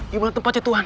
dimana tempatnya tuhan